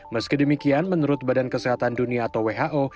meski demikian menurut badan kesehatan dunia atau who